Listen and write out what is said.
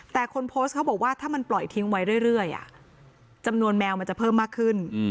แต่คนโพสต์เขาบอกว่าถ้ามันปล่อยทิ้งไว้เรื่อยจำนวนแมวมันจะเพิ่มมากขึ้น